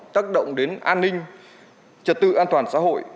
tác động đến an ninh trật tự an toàn xã hội